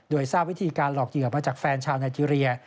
โดยทราบวิธีการหลอกเหยื่อมาจากแฟนชาวไนเจรีย